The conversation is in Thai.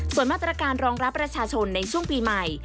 ส่วนมาตรการรองรับประชาชนในช่วงปีใหม่